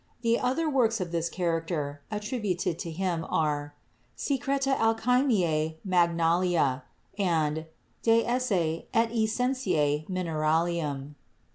The other works of this character attributed to him are "Secreta Alchymise Magnalia" and "De Esse et Essentia Mineralium."